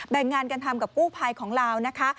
งงานกันทำกับกู้ภัยของลาวนะคะ